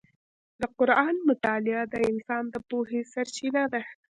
د قرآن مطالعه د انسان د پوهې سرچینه ده.